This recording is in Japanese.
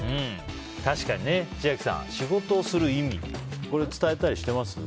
確かに、千秋さん仕事をする意味これ、伝えたりしてます？